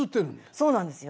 そうなんですよ。